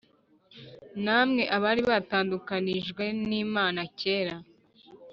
Namwe abari baratandukanijwe n’Imana kera